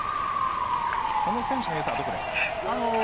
この選手のよさはどこですか？